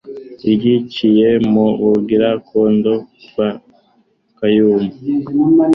Iryiciye mu Bugira-condo bwa Kayumbu.